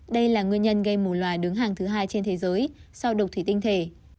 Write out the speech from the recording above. đây là nguyên nhân gây mù loà đứng hàng thứ hai trên thế giới sau độc thủy tinh thể